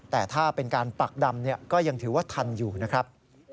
แต่ถ้าเป็นการปักดำก็ยังถือว่าทันอยู่นะครับ